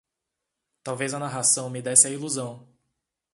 Talvez a narração me desse a ilusão